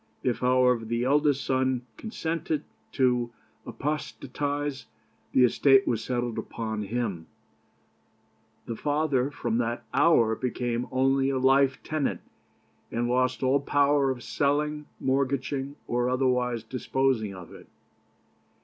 If, however, the eldest son consented to apostatize, the estate was settled upon him, the father from that hour became only a life tenant, and lost all power of selling, mortgaging, or otherwise disposing of it.